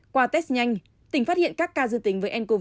qua test nhanh tỉnh phát hiện các ca dương tính với ncov